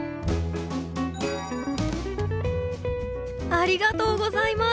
ありがとうございます。